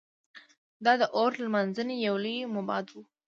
دا د اور لمانځنې یو لوی معبد و